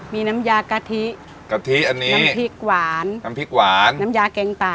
มีน้ำยากะทิกะทิอันนี้น้ำพริกหวานน้ำพริกหวานน้ำยาแกงป่า